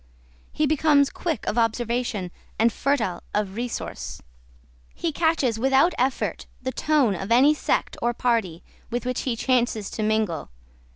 He becomes quick of observation and fertile of resource. He catches without effort the tone of any sect or party with which he chances to mingle.